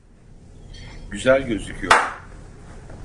Güzel gözüküyor.